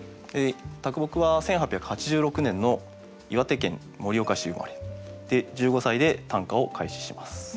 木は１８８６年の岩手県盛岡市生まれ。で１５歳で短歌を開始します。